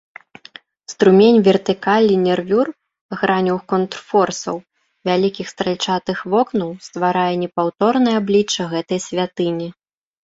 Струмень вертыкалей нервюр, граняў контрфорсаў, вялікіх стральчатых вокнаў стварае непаўторнае аблічча гэтай святыні.